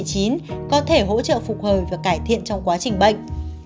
có thể hỗ trợ phục hồi và cải thiện trong quá trình bệnh